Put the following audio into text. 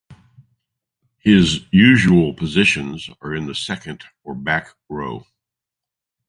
His usual positions are in the second or back row.